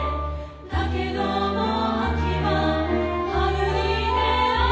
「だけども秋は春に出会えず」